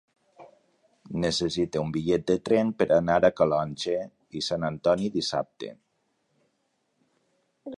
Necessito un bitllet de tren per anar a Calonge i Sant Antoni dissabte.